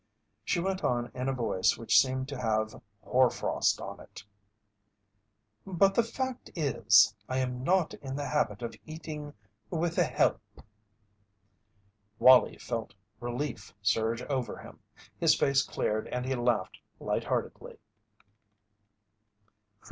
She went on in a voice which seemed to have hoarfrost on it: "But the fact is, I am not in the habit of eating with the help." Wallie felt relief surge over him. His face cleared and he laughed light heartedly.